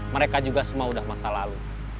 mereka juga semua sudah masa lalu